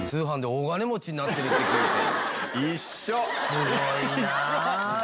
すごいなあ。